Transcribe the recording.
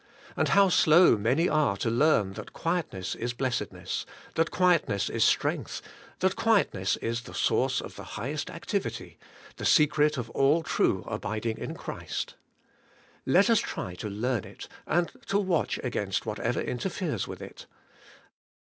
And how slow many are to learn that quietness is blessedness, that quietness is strength, that quietness is the source of the highest activity, — the secret of all true abiding in Christ! Let us try to learn it, and to watch against whatever interferes with it.